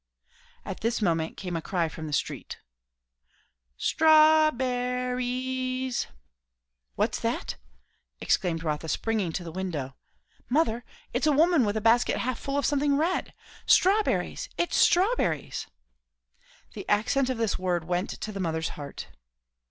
At this moment came a cry from the street "Straw berr_ees!_" "What's that?" exclaimed Rotha springing to the window. "Mother, it's a woman with a basket full of something red. Strawberries! it's strawberries!" The accent of this word went to the mother's heart.